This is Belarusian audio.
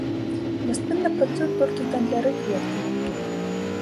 Няспынна працуюць толькі гандляры кветкамі.